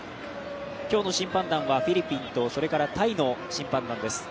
今日の審判団は、フィリピンと、タイの審判団です。